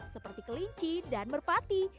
seperti kelinci dan merpati